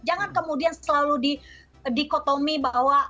jangan kemudian selalu dikotomi bahwa